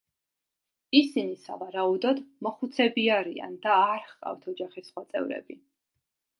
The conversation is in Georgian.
ისინი, სავარაუდოდ, მოხუცები არიან და არ ჰყავთ ოჯახის სხვა წევრები.